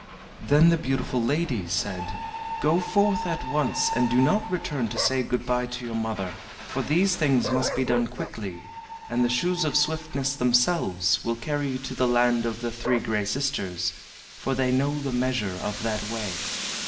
Then the beautiful lady said: "Go forth at once, and do not return to say good by to your mother, for these things must be done quickly, and the Shoes of Swiftness themselves will carry you to the land of the Three Gray Sisters for they know the measure of that way."